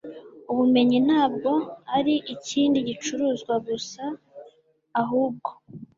ubumenyi ntabwo ari ikindi gicuruzwa gusa. ahubwo